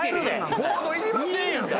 ボードいりませんやん。